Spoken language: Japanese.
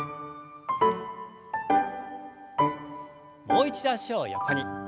もう一度脚を横に。